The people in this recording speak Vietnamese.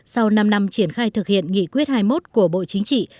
sau năm năm triển khai thực hiện nghị quyết hai mươi một của bộ chính trị